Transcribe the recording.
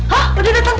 hah udah datang